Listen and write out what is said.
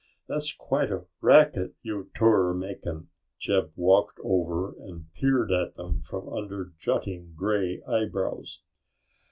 "That's quite a racket you two're making." Jeb walked over and peered at them from under jutting grey eyebrows.